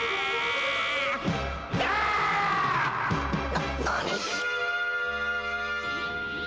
「な何！？」